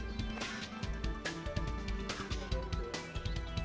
jangan lupa untuk berlangganan